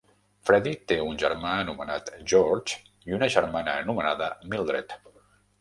Freddie té un germà anomenat George i una germana anomenada Mildred.